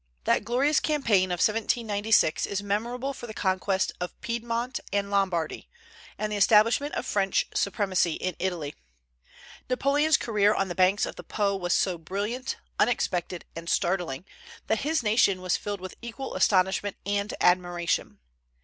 That glorious campaign of 1796 is memorable for the conquest of Piedmont and Lombardy, and the establishment of French supremacy in Italy. Napoleon's career on the banks of the Po was so brilliant, unexpected, and startling, that his nation was filled with equal astonishment and admiration.